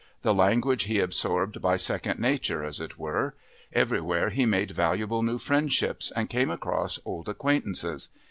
The language he absorbed by second nature, as it were. Everywhere he made valuable new friendships and came across old acquaintances.